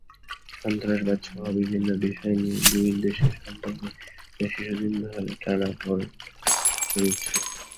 সন্ত্রাসবাদসহ বিভিন্ন বিষয় নিয়ে দুই দেশের সম্পর্কে বেশ কিছুদিন ধরে টানাপোড়েন চলছে।